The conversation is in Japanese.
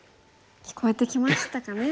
聞こえてきましたかね。